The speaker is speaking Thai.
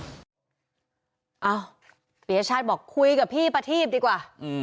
อเรนนี่พรีชัตต์บอกคุ้แก่พี่ประทีพดีกว่า